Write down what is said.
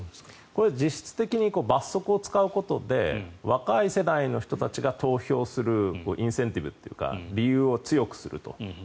これ、実質的に罰則を使うことで若い世代の人たちが投票するインセンティブというか理由を強くすると。